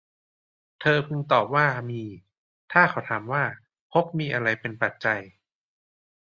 เธอพึงตอบว่า มีถ้าเขาถามว่า ภพมีอะไรเป็นปัจจัย